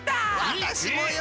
わたしもよ！